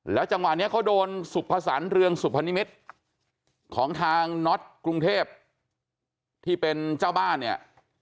จังหวะนี้เขาโดนสุภสรรเรืองสุพนิมิตรของทางน็อตกรุงเทพที่เป็นเจ้าบ้านเนี่ย